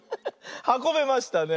はこべましたね。